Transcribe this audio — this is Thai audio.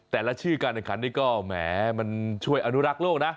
แต่ละชื่อการแข่งขันนี่ก็แหมมันช่วยอนุรักษ์โลกนะ